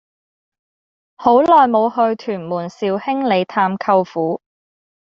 好耐無去屯門兆興里探舅父